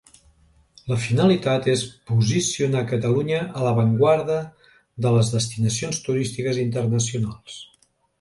La finalitat és posicionar Catalunya a l'avantguarda de les destinacions turístiques internacionals.